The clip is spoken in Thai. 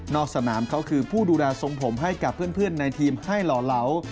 สนามเขาคือผู้ดูแลทรงผมให้กับเพื่อนในทีมให้หล่อเหลา